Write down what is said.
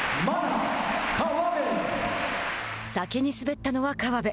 先に滑ったのは河辺。